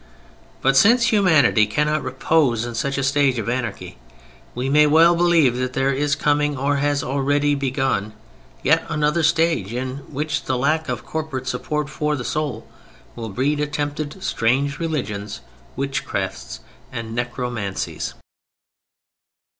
But since humanity cannot repose in such a stage of anarchy, we may well believe that there is coming, or has already begun, yet another stage, in which the lack of corporate support for the soul will breed attempted strange religions: witchcrafts and necromancies.